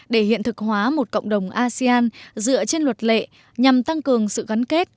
để hiện thực hóa một cộng đồng asean dựa trên luật lệ nhằm tăng cường sự gắn kết